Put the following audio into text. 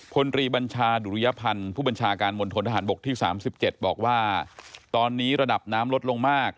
คนรีบัญชาดุริยภัณฑ์ผู้บัญชาการมนตรฐานบกที่สามสิบเจ็ดบอกว่าตอนนี้ระดับน้ำลดลงมาก